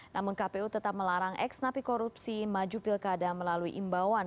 namun kpu tetap melarang ex napi korupsi maju pilkada melalui imbauan